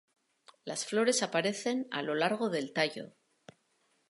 Las flores aparecen a lo largo del tallo.